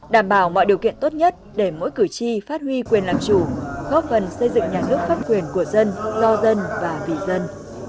đảm bảo mọi điều kiện tốt nhất để mỗi cử tri phát huy quyền làm chủ góp phần xây dựng nhà nước pháp quyền của dân do dân và vì dân